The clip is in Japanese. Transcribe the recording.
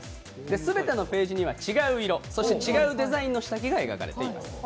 全てのページに違い色、違うデザインの下着が描かれています。